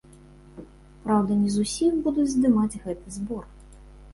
Праўда, не з усіх будуць здымаць гэты збор.